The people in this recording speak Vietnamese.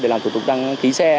để làm thủ tục đăng ký xe